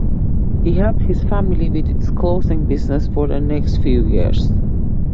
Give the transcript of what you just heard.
He helped his family with its clothing business for the next few years.